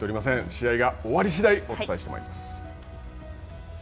試合が終わり次第お伝えしてまいります。